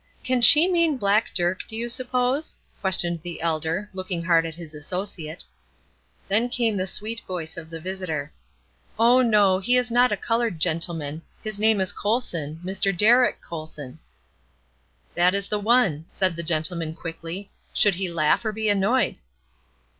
"Can she mean black Dirk, do you suppose?" questioned the elder, looking hard at his associate. Then came the sweet voice of the visitor. "Oh, no; he is not a colored gentleman. His name is Colson, Mr. Derrick Colson." "That is the one," said the gentleman, quickly. Should he laugh or be annoyed?